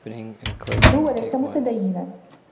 هو ليس متديّنا.